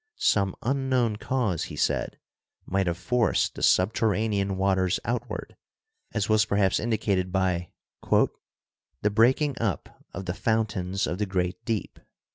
Some unknown cause, he said, might have forced the subterranean waters outward, as was perhaps indicated by "the breaking up of the foun tains of the great deep."